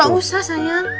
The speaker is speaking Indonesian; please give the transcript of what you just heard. gak usah sayang